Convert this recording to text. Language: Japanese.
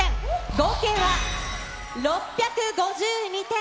合計は６５２点。